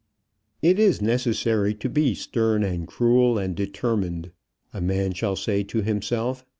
It is necessary to be stern and cruel and determined, a man shall say to himself.